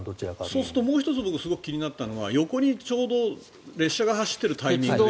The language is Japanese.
そうするともう１つ僕が気になったのは横にちょうど列車が走っているタイミングで。